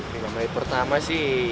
dari mulai pertama sih